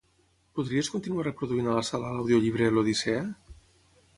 Podries continuar reproduint a la sala l'audiollibre l'"Odissea"?